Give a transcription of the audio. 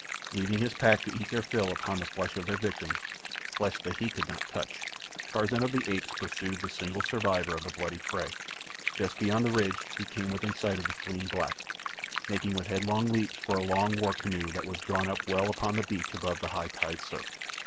Leaving his pack to eat their fill upon the flesh of their victims—flesh that he could not touch—Tarzan of the Apes pursued the single survivor of the bloody fray. Just beyond the ridge he came within sight of the fleeing black, making with headlong leaps for a long war canoe that was drawn well up upon the beach above the high tide surf.